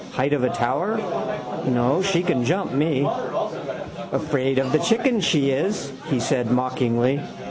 Height of a tower? No, she can jump me. —Afraid of the chickens she is, he said mockingly.